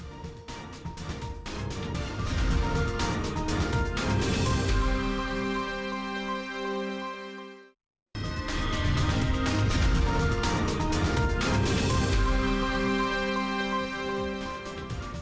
anda kembali di newscast